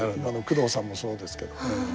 工藤さんもそうですけど。